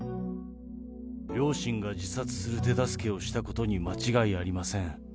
両親が自殺する手助けをしたことに間違いありません。